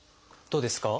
どうですか？